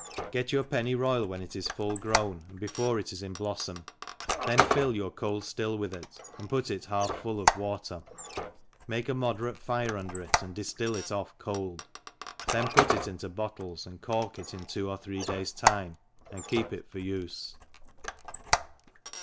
GET your penny royal when it is full grown, and before it is in bloilbm, then fill your cold ftill with it, and put it half full of water, make a moderate fire under it, and diftill it oflf cold, then put it into bottles, and cork it in two or three days time, and keep it for ufe.